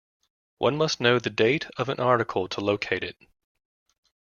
One must know the date of an article to locate it.